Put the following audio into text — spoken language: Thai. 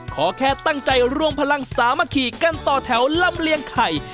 ขอแค่ตั้งใจรวมพลังสามัคคีกันต่อแถวลำเลียงไข่